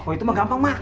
oh itu mah gampang mak